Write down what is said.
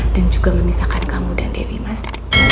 dan juga memisahkan kamu dan dewi mas